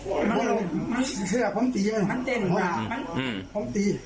ครั้งแล้วก็มีเสื้อกับผมตีงานน่ะผมตี